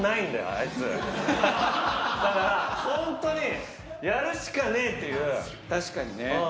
あいつだから本当にやるしかねえという確かにね